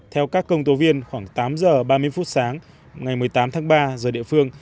theo các công tố viên khoảng tám giờ ba mươi phút sáng ngày một mươi tám tháng ba giờ địa phương